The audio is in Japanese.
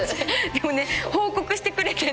でもね報告してくれて。